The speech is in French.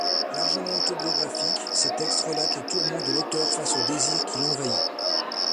Largement autobiographiques, ces textes relatent les tourments de l’auteur face au désir qui l’envahit.